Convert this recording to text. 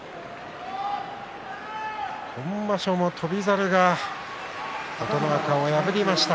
今場所も翔猿が琴ノ若を破りました。